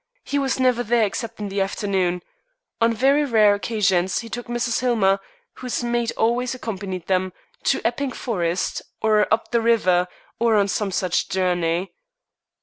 He was never there except in the afternoon. On very rare occasions he took Mrs. Hillmer, whose maid always accompanied them, to Epping Forest, or up the river, or on some such journey."